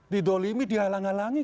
di dolimi dihalang halangi